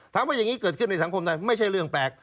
ถามว่าอย่างนี้เกิดขึ้นในสังคมไทยไม่ใช่เรื่องแปลก